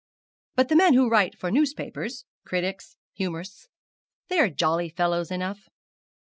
But the men who write for newspapers critics, humourists they are jolly fellows enough.'